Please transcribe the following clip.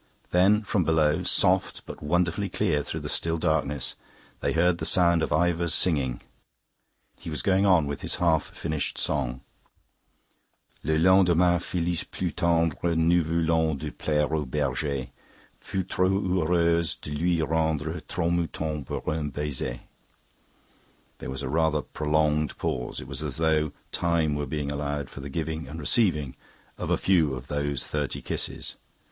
Then, from below, soft but wonderfully clear through the still darkness, they heard the sound of Ivor's singing. He was going on with his half finished song: "Le lendemain Phillis plus tendre, Ne voulant deplaire au berger, Fut trop heureuse de lui rendre Trente moutons pour un baiser." There was a rather prolonged pause. It was as though time were being allowed for the giving and receiving of a few of those thirty kisses.